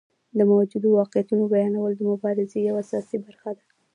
د موجودو واقعیتونو بیانول د مبارزې یوه اساسي برخه ده.